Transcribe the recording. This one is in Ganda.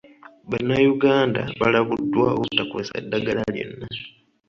Bannayuganda balabuddwa obutakozesa ddagala lyonna.